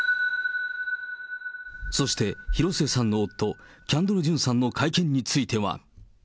そして、広末さんの夫、キャンドル・ジュンさんの会見については。